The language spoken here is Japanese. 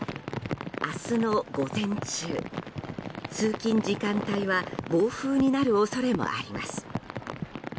明日の午前中通勤時間帯は暴風になる恐れもあります。